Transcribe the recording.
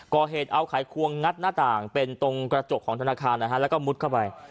ก่อเหตุเอาไขควงงัดหน้าต่างเป็นตรงกระจกของธนาคารนะฮะแล้วก็มุดเข้าไป